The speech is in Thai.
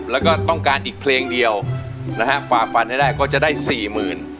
แล้วก็ต้องการอีกเพลงเดียวนะฮะฝ่าฟันให้ได้ก็จะได้สี่หมื่น